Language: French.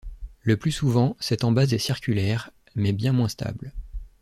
Le plus souvent cette embase est circulaire mais bien moins stable.